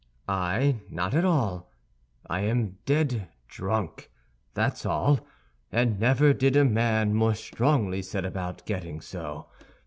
"I! Not at all. I am dead drunk, that's all, and never did a man more strongly set about getting so.